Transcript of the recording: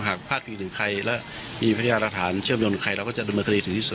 หากพลาดพิงถึงใครและมีพยานหลักฐานเชื่อมโยงกับใครเราก็จะดำเนินคดีถึงที่สุด